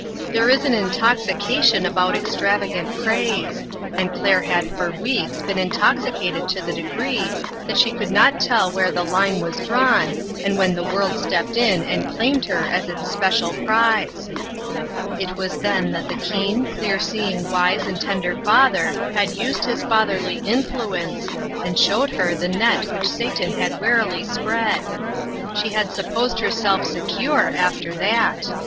There is an intoxication about extravagant praise, and Claire had for weeks been intoxicated to the degree that she could not tell where the line was drawn, and when the world stepped in and claimed her as its special STARTING FOR HOME. 221 prize. It was then that the keen, clear seeing wise and tender father had used his fatherly influence, and showed her the net which Satan had warily spread. She had supposed herself secure, after that.